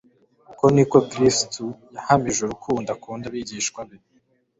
Uko niko Kristo yahamije urukundo akunda abigishwa be.